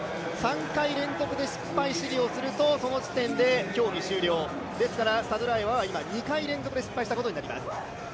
３回連続で失敗試技をするとその時点で、競技終了ですから、サドゥラエワは今、２回連続で失敗したことになります。